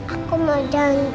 aku mau jalan jalan ke mana